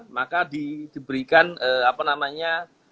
maka diberikan apa namanya